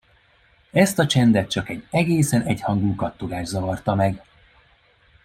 Ezt a csendet csak egy egészen egyhangú kattogás zavarta meg.